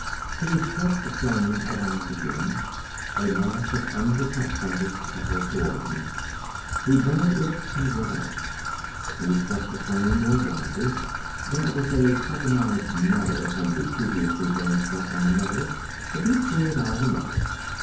He swept the flame around again. A mass of undercut fungus toppled toward him. He burned it and went on. He swept the flame more widely. There was carbonized matter from the previously burned stuff on the metal, but he cleared all the metal.